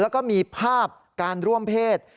แล้วก็มีภาพการร่วมเพศ